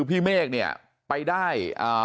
พี่เมฆเนี่ยไปได้